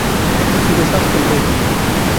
তুইতো সাসপেন্ড হয়েছিস।